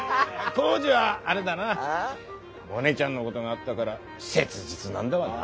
耕治はあれだなモネちゃんのごどがあったがら切実なんだわな。